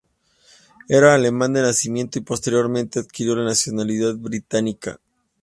Era alemán de nacimiento y posteriormente adquirió la nacionalidad británica.